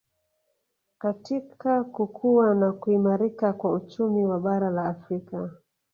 katika kukua na kuimarika kwa uchumi wa bara la Afrika